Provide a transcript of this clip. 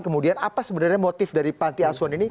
kemudian apa sebenarnya motif dari panti asuhan ini